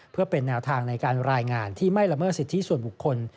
เพื่อเป็นแนวทางในการรายงานที่ไม่ละเมิดสิทธิส่วนบุคคล